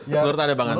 menurut anda bang anta